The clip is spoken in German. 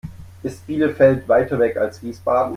Ist Bielefeld weiter weg als Wiesbaden?